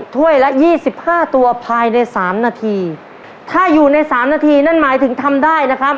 ถ้วยละยี่สิบห้าตัวภายในสามนาทีถ้าอยู่ในสามนาทีนั่นหมายถึงทำได้นะครับ